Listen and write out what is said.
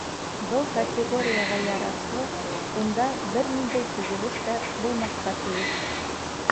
Был категорияға ярашлы, унда бер ниндәй төҙөлөш тә булмаҫҡа тейеш.